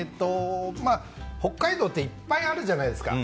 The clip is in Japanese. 北海道っていっぱいあるじゃないですか。